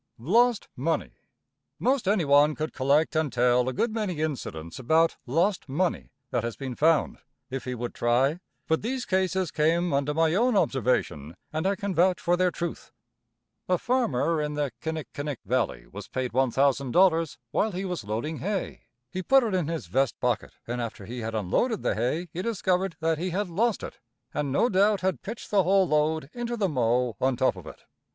Lost Money. Most anyone could collect and tell a good many incidents about lost money that has been found, if he would try, but these cases came under my own observation and I can vouch for their truth. A farmer in the Kinnekinnick Valley was paid $1,000 while he was loading hay. He put it in his vest pocket, and after he had unloaded the hay he discovered that he had lost it, and no doubt had pitched the whole load into the mow on top of it.